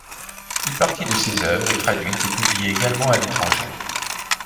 Une partie de ses oeuvres est traduite et publiée également à l'étranger.